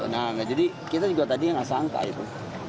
nah jadi kita juga tadi gak sangka itu